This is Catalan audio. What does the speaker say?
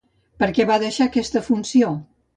Per què va deixar aquesta funció?